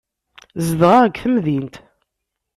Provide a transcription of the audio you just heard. Zedɣeɣ deg temdint.